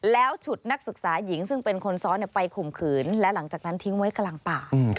แล้วฉุดนักศึกษาหญิงซึ่งเป็นคนซ้อนไปข่มขืนและหลังจากนั้นทิ้งไว้กลางป่า